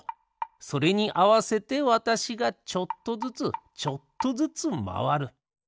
それにあわせてわたしがちょっとずつちょっとずつまわる。